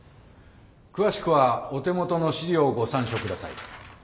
詳しくはお手元の資料をご参照ください。